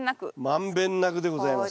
満遍なくでございます。